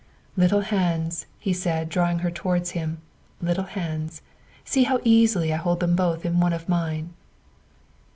11 Little hands," he said, drawing her towards him, " little hands! See how easily I hold them both in one of mine."